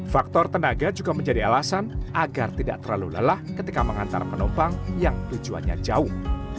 faktor tenaga juga menjadi alasan agar tidak terlalu lelah ketika mengantar penumpang yang tujuannya jauh